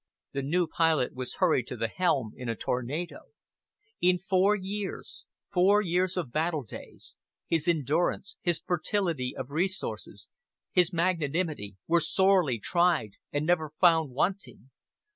"The new pilot was hurried to the helm in a tornado. In four years four years of battle days his endurance, his fertility of resources, his magnanimity, were sorely tried and never found wanting."